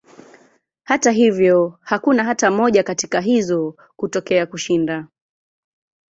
Hata hivyo, hakuna hata moja katika hizo kutokea kushinda.